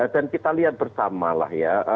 dan kita lihat bersama lah ya